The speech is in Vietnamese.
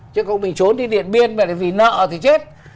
chứ không mình trốn đi điện biên vậy vì nợ thì chết